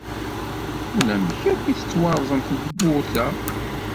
Ulamek akk ay tettwarẓem tewwurt-a.